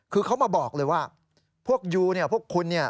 คือเขามาบอกเลยว่าพวกยูเนี่ยพวกคุณเนี่ย